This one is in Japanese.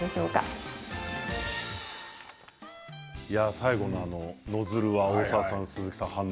最後のノズルは大沢さん鈴木さん